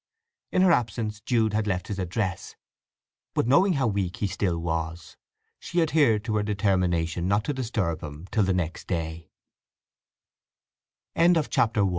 In her absence Jude had left his address; but knowing how weak he still was she adhered to her determination not to disturb him till the next da